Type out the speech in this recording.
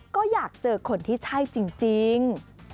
ก็อยากเจอคนที่ใช่จริง